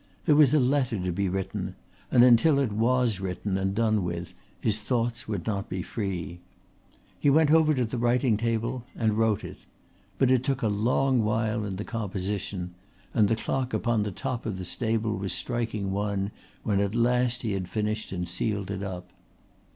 There was a letter to be written, and until it was written and done with his thoughts would not be free. He went over to the writing table and wrote it. But it took a long while in the composition and the clock upon the top of the stable was striking one when at last he had finished and sealed it up.